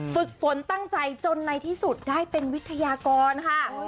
ฝึกฝนตั้งใจจนในที่สุดได้เป็นวิทยากรค่ะ